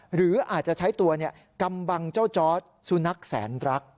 หรืออาจจะใช้ตัวกำบังเจ้าจอร์ดสุนัขแสนรัก